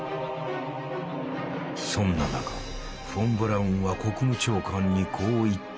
そんな中フォン・ブラウンは国務長官にこう言った。